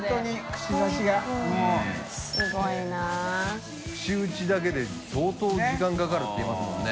串打ちだけで蠹時間かかるっていいますもんね。